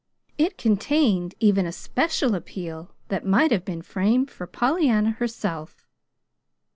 It contained even a special appeal that might have been framed for Pollyanna herself.